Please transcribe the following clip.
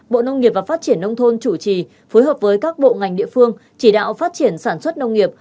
bộ nông nghiệp và phát triển nông thôn chủ trì phối hợp với các bộ ngành địa phương chỉ đạo phát triển sản xuất nông nghiệp